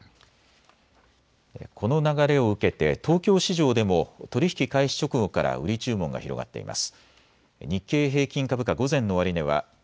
この流れを受けて東京市場でも取り引き開始直後から売り注文が広がっています。